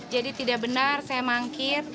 jadi tidak benar saya mangkir